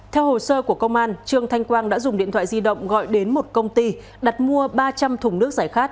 theo hồ sơ của công an trương thanh quang đã dùng điện thoại di động gọi đến một công ty đặt mua ba trăm linh thùng nước giải khát